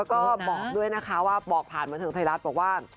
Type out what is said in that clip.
แล้วก็บอกด้วยนะคะว่าบอกผ่านบันเทิงไทยรัฐบอกว่า